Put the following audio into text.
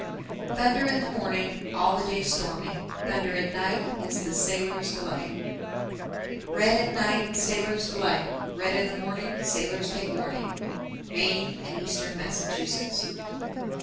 _ 980. Thunder in the morning, All the day storming; Thunder at night Is the sailor's delight. 981. Red at night Sailor's delight; Red in the morning, Sailors take warning. _Maine and Eastern Massachusetts.